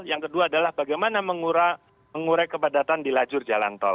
yang kedua adalah bagaimana mengurai kepadatan di lajur jalan tol